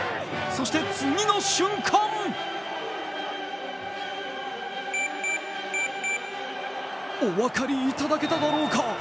そして次の瞬間お分かりいただけただろうか。